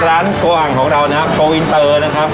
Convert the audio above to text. ร้านโกอ่างของเรานะครับโกอินเตอร์นะครับ